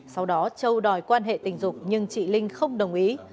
sau đó châu đòi quan hệ tình dục nhưng chị linh không đồng ý